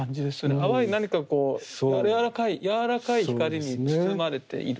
淡い何かこう柔らかい光に包まれている。